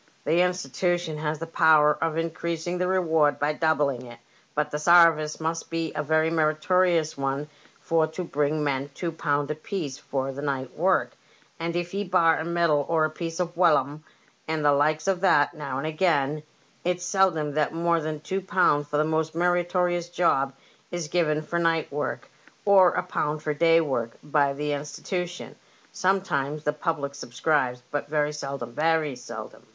The Institution has the power of increasing the reward by doubling it. But the sarvice must be a very meritorious one for to bring men two pound a piece for the night work ; and if ye bar a medal or a piece of wellum, and the likes of that, now and again, it's seldom that more than two pound for the most meritorious job is given for nightwork, or a pound for day work, by the Institution. Sometimes the public subscribes, but very seldom — very seldom."